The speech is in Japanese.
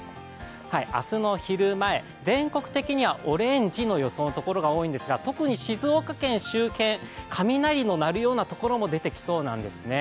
明日の昼前、全国的にはオレンジの予想のところが多いんですが、特に静岡県周辺、雷の鳴るようなところも出てきそうなんですね。